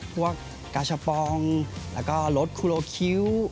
พวกกาชะปองแล้วก็รสคูโลคิ้ว